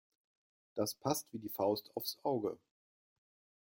Das passt wie die Faust aufs Auge.